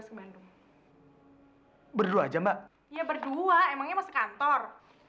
ya berdua emangnya masih kantor